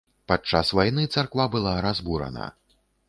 Падчас вайны царква была разбурана.